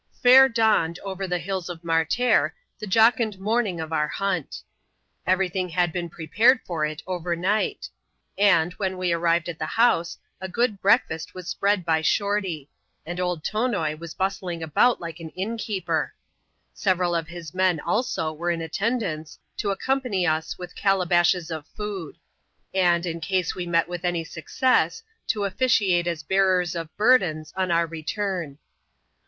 Faib dawned, over the hills of Martair, the jocund morning of. our hunt. Every thing had been prepared for it overnight ; and, when we arrived at the house, a good breakfast was spread by Shorty : and old Tonoi was bustling about like an innkeeper. Several of his men, also, were in attendance, to accompany us with calabashes of food ; and, in case we met with any success, to officiate as bearers of burdens, on our return.